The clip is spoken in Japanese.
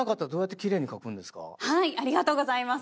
ありがとうございます。